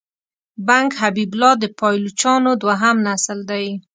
بنګ حبیب الله د پایلوچانو دوهم نسل دی.